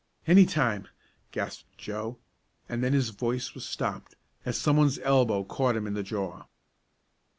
"Any time," gasped Joe, and then his voice was stopped as someone's elbow caught him in the jaw.